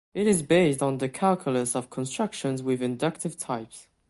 It is based on the calculus of constructions with inductive types.